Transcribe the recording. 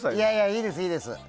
いいです、いいです。